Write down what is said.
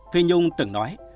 phi nhung từng nói